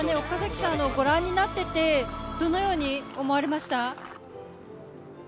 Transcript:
岡崎さん、ご覧になっていて、どのように思われました？